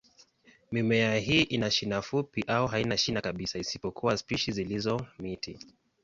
Mimea hii ina shina fupi au haina shina kabisa, isipokuwa spishi zilizo miti.